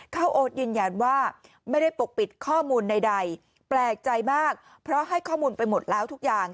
โอ๊ตยืนยันว่าไม่ได้ปกปิดข้อมูลใดแปลกใจมากเพราะให้ข้อมูลไปหมดแล้วทุกอย่าง